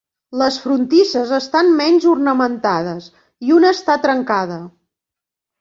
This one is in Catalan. Les frontisses estan menys ornamentades, i una està trencada.